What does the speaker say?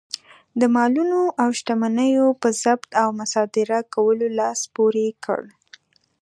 د مالونو او شتمنیو په ضبط او مصادره کولو لاس پورې کړ.